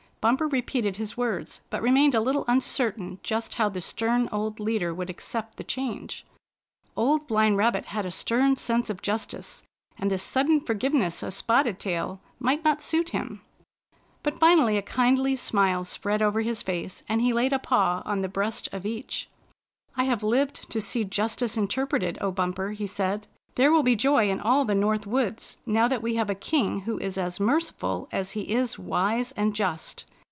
Bumper repeated his words, but re mained a little imcertain just how the stem old leader would accept the change. Old Blind Rab Bumper wins Spotted Tail's Friendship 97 bit had a stem sense of justice, and this sudden forgiveness of Spotted Tail might not suit him. But finally a kindly smile spread over his face, and he laid a paw on the breast of each. "I have lived to see justice interpreted, O Bumper," he said. " There wiU be joy in all the North Woods now that we have a king who is as merciful as he is wise and just.